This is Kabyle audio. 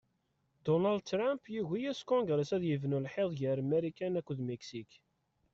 Dunald Trump yugi-as kungres ad yebnu lḥiḍ ger Marikan akked Miksik.